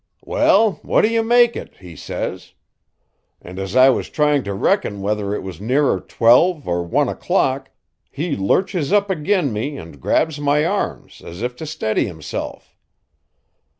'Well, what do you make it?' he says; and as I was trying to reckon whether it was nearer twelve or one o'clock, he lurches up agin' me and grabs my arms as if to steady himself.